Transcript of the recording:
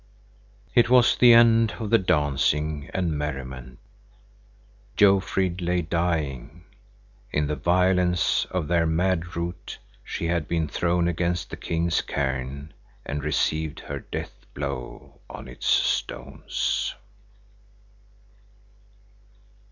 It was the end of the dancing and merriment. Jofrid lay dying. In the violence of their mad rout, she had been thrown against the king's cairn and received her death blow on its stones.